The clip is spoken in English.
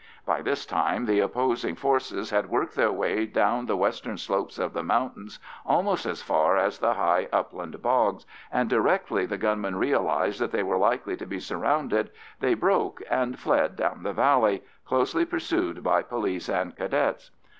By this time the opposing forces had worked their way down the western slopes of the mountains almost as far as the high upland bogs, and directly the gunmen realised that they were likely to be surrounded, they broke and fled down a valley, closely pursued by police and Cadets.